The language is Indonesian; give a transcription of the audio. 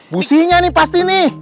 businya nih pasti nih